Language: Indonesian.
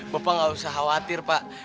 bapak nggak usah khawatir pak